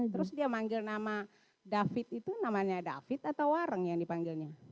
terus dia manggil nama david itu namanya david atau wareng yang dipanggilnya